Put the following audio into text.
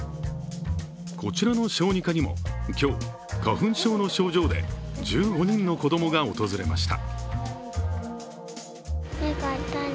こちらの小児科にも今日、花粉症の症状で１５人の子供が訪れました。